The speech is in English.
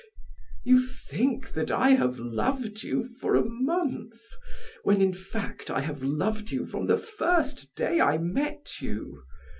You think that I have loved you for a month, when in fact I have loved you from the first day I met you.